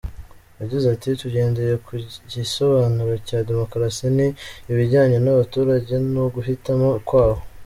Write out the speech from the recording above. Yagize ati “Tugendeye ku gisobanuro cya demokarasi, ni ibijyanye n’abaturage n’uguhitamo kwabo.